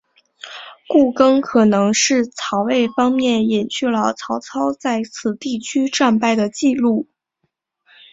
故更可能是曹魏方面隐去了曹操在此地区战败的记录。